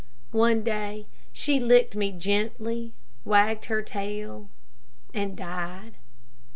One day she licked me gently, wagged her tail, and died.